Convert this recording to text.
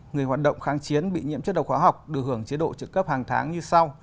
người hoạt động kháng chiến bị nhiễm chất độc hóa học được hưởng chế độ trợ cấp hàng tháng như sau